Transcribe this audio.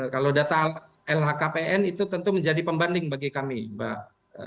kalau data lhkpn itu tentu menjadi pembanding bagi kami mbak